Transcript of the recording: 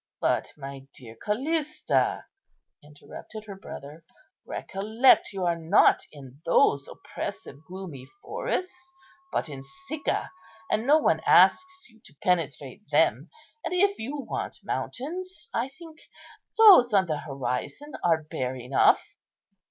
"But, my dear Callista," interrupted her brother, "recollect you are not in those oppressive, gloomy forests, but in Sicca, and no one asks you to penetrate them. And if you want mountains, I think those on the horizon are bare enough."